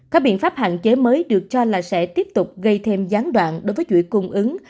các biện pháp hạn chế mới được cho là sẽ tiếp tục gây thêm gián đoạn đối với chuỗi cung ứng